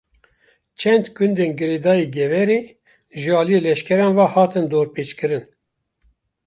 Çend gundên girêdayî Geverê, ji aliyê leşkeran ve hatin dorpêçkirin